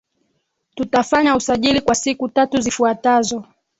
Tutafanya usajili kwa siku tatu zifuatazo